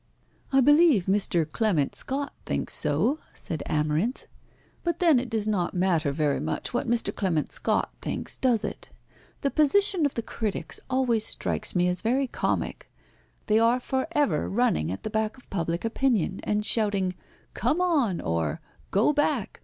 "I believe Mr. Clement Scott thinks so," said Amarinth; "but then it does not matter very much what Mr. Clement Scott thinks, does it? The position of the critics always strikes me as very comic. They are for ever running at the back of public opinion, and shouting 'come on!' or 'go back!'